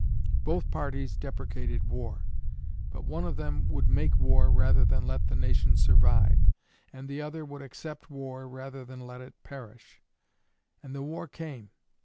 Both parties deprecated war, but one of them would make war rather than let the Nation survive, and the other would accept war rather than let it perish; and the war came.